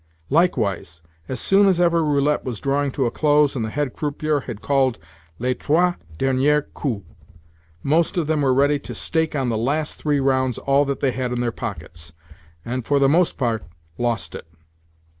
Likewise, as soon as ever roulette was drawing to a close and the head croupier had called "Les trois derniers coups," most of them were ready to stake on the last three rounds all that they had in their pockets—and, for the most part, lost it.